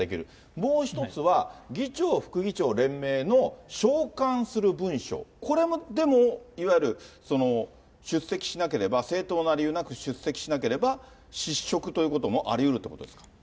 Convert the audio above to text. もう一つは、議長、副議長連盟の召喚する文書、これもでも、いわゆる出席しなければ、正当な理由なく出席しなければ、失職ということもありうるということですか？